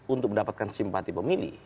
untuk mendapatkan simpati pemilih